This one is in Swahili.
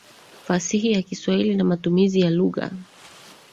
fasihi ya Kiswahili na matumizi ya lugha